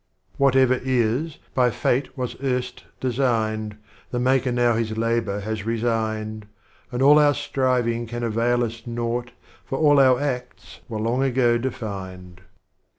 III. Whatever is, by Pate was erst designed, The Maker now his Labor has resigned, And all our Striving can avail us Naught, For all our Acts were long ago defined.